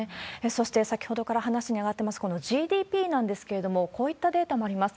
そして先ほどから話に上がってます、このＧＤＰなんですけれども、こういったデータもあります。